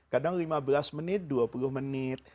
kadang lima belas menit dua puluh menit